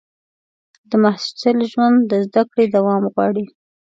د محصل ژوند د زده کړې دوام غواړي.